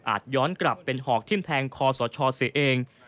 ย้อนกลับเป็นหอกทิ้มแทงคอสชเสียเอง